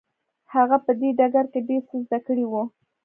هغه په دې ډګر کې ډېر څه زده کړي وو.